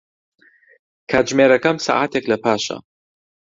کاتژمێرەکەم سەعاتێک لەپاشە.